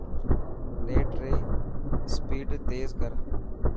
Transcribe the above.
نيٽ ري اسپيڊ تيز ڪر.